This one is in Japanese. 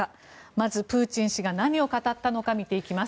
まずプーチン氏が何を語ったのか見ていきます。